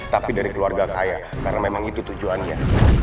tapi dari keluarga kaya karena memang itu tujuannya